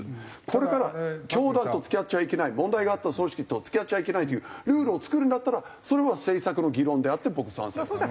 これから教団と付き合っちゃいけない問題があった組織と付き合っちゃいけないというルールを作るんだったらそれは政策の議論であって僕賛成です。